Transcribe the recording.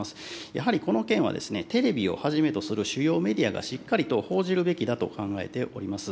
やはり、この件はテレビをはじめとする主要メディアがしっかりと報じるべきだと考えております。